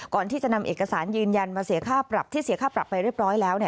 ก่อนที่จะนำเอกสารยืนยันมาเสียค่าปรับที่เสียค่าปรับไปเรียบร้อยแล้ว